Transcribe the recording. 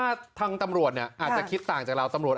มันได้ว่าทางตำรวจเนี่ยอาจจะคิดต่างจากราวตำรวจ